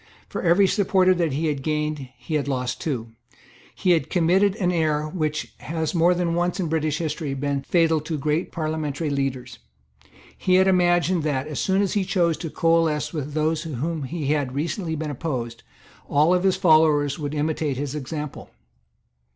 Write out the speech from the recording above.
For every supporter that he had gained he had lost two. He had committed an error which has more than once, in British history, been fatal to great parliamentary leaders. He had imagined that, as soon as he chose to coalesce with those to whom he had recently been opposed, all his followers would imitate his example.